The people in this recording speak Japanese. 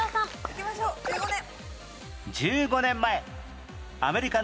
いきましょう１５年。